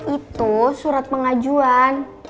itu surat pengajuan